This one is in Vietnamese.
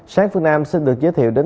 sáng phương nam xin được giới thiệu đến